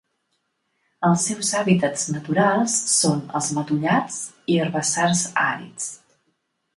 Els seus hàbitats naturals són els matollars i herbassars àrids.